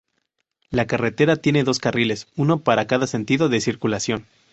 La carretera tiene dos carriles, uno para cada sentido de circulación.